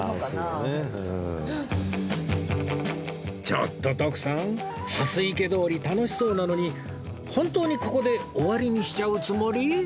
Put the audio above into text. ちょっと徳さん蓮池通り楽しそうなのに本当にここで終わりにしちゃうつもり？